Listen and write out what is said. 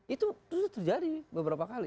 itu terjadi beberapa kali